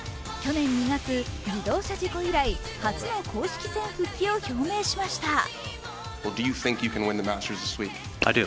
去年２月自動車事故以来初の公式戦復帰を表明しました。